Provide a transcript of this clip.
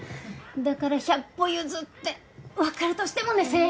だから百歩譲ってわかるとしてもねセーフ！